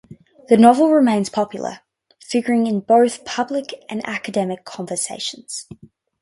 The novel remains popular, figuring in both public and academic conversations.